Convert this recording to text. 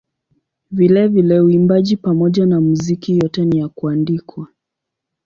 Vilevile uimbaji pamoja na muziki yote ni ya kuandikwa.